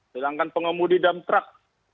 sedangkan pengemudi dalam truk